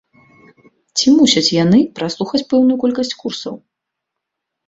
Ці мусяць яны праслухаць пэўную колькасць курсаў?